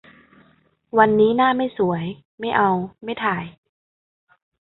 วันนี้หน้าไม่สวย ไม่เอา ไม่ถ่าย